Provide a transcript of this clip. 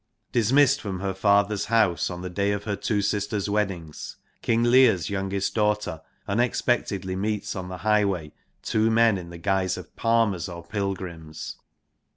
J Dismissed from her father's house on the day of her two sisters' weddings, King Leir's youngest daughter unexpectedly meets on the highway two men in the guise of palmers or pilgrims.